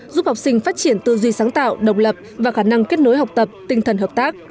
giúp học sinh phát triển tư duy sáng tạo độc lập và khả năng kết nối học tập tinh thần hợp tác